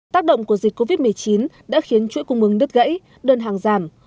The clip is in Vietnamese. tác động của dịch covid một mươi chín đã khiến chuỗi cung ứng đứt gãy đơn hàng giảm